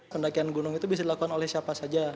pendakian gunung itu bisa dilakukan oleh siapa saja